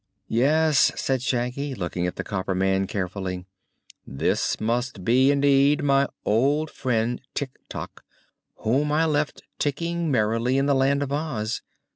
"Yes," said Shaggy, looking at the copper man carefully, "this must be, indeed, my old friend Tik Tok, whom I left ticking merrily in the Land of Oz.